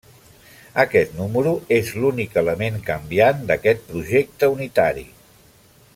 Aquest número és l'únic element canviant d'aquest projecte unitari.